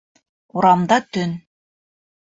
Урамда төн.